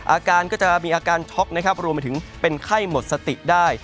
อาการก็จะมีอาการช็อกนะครับรวมไปถึงเป็นไข้หมดสติได้